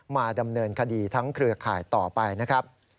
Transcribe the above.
มาดำเนินคดีทั้งเครือข่ายต่อไปนะครับ